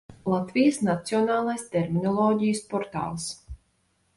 Latvijas Nacionālais terminoloģijas portāls